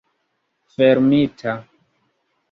fermita